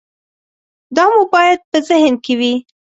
دا مو باید په ذهن کې وي.